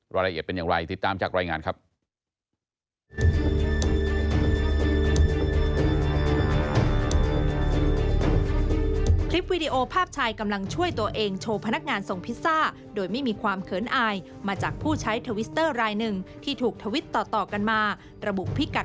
รายละเอียดเป็นอย่างไรติดตามจากรายงานครับ